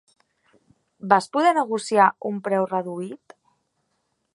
Vas poder negociar un preu reduït?